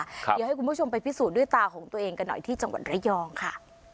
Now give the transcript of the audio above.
เดี๋ยวให้คุณผู้ชมไปพิสูจน์ด้วยตาของตัวเองกันหน่อยที่จังหวัดระยองค่ะ